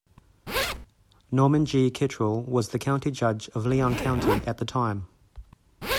Norman G. Kittrell was the county judge of Leon County at the time.